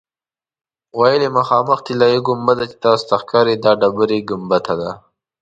ویل یې مخامخ طلایي ګنبده چې تاسو ته ښکاري دا ډبرې ګنبده ده.